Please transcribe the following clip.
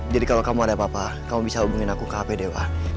jadi kalau kamu ada apa apa kamu bisa hubungin aku ke hp dewa